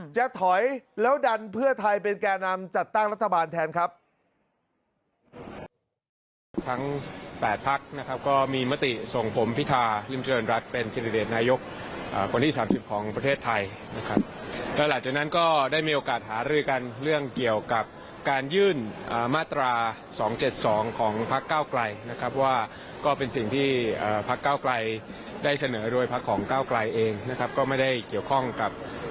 จะถอยแล้วดันเพื่อไทยเป็นแก่นำจัดตั้งรัฐบาลแทนครับ